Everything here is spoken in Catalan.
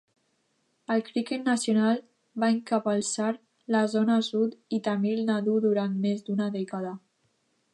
Al cricket nacional, va encapçalar la Zona Sud i Tamil Nadu durant més d'una dècada.